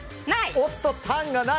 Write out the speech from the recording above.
おっと、タンがない。